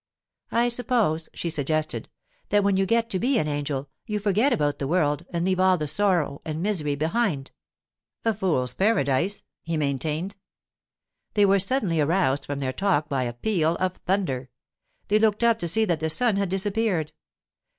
'I suppose,' she suggested, 'that when you get to be an angel, you forget about the world and leave all the sorrow and misery behind.' 'A fools' paradise!' he maintained. They were suddenly aroused from their talk by a peal of thunder. They looked up to see that the sun had disappeared.